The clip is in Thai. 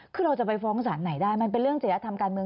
คือเราจะไปฟ้องสารไหนได้มันเป็นเรื่องจริยธรรมการเมือง